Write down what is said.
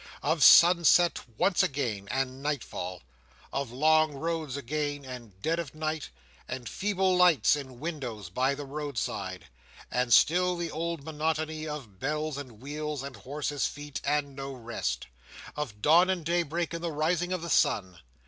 Of sunset once again, and nightfall. Of long roads again, and dead of night, and feeble lights in windows by the roadside; and still the old monotony of bells and wheels, and horses' feet, and no rest. Of dawn, and daybreak, and the rising of the sun.